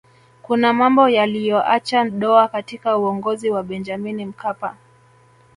kuna mambo yaliyoacha doa katika uongozi wa benjamini mkapa